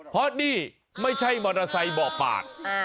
เพราะนี่ไม่ใช่มอเตอร์ไซค์เบาะปาก